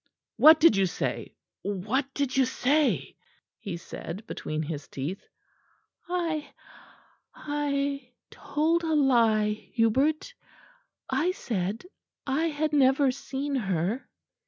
"What did you say? What did you say?" he said between his teeth. "I I told a lie, Hubert; I said I had never seen her."